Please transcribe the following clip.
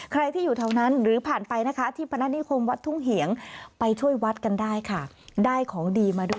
ใครที่อยู่เท่านั้นหรือผ่านไปนะคะ